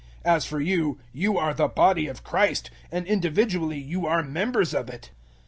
012:027 As for you, you are the body of Christ, and individually you are members of it.